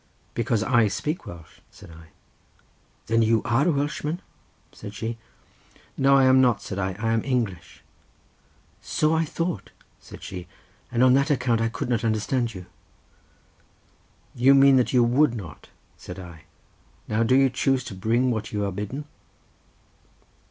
"Because I speak Welsh," said I. "Then you are a Welshman?" said she. "No I am not," said I, "I am English." "So I thought," said she, "and on that account I could not understand you." "You mean that you would not," said I. "Now do you choose to bring what you are bidden?"